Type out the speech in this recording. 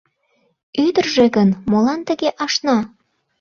Ӱдыржӧ гын, молан тыге ашна?